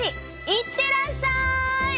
行ってらっしゃい！